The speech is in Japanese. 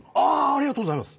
ありがとうございます。